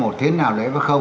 thế nào là f